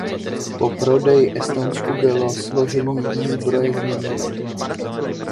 Po prodeji Estonsku bylo složení výzbroje změněno.